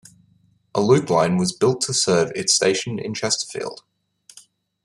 A loop line was built to serve its station in Chesterfield.